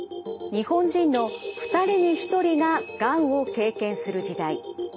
日本人の２人に１人ががんを経験する時代。